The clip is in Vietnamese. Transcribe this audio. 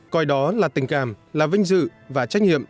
coi đó là tình cảm là vinh dự và trách nhiệm